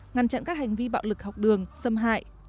ngăn chặn các hành vi bạo lực học đường xâm hại